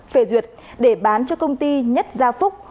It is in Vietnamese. phê duyệt để bán cho công ty nhất gia phúc